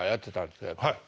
はい。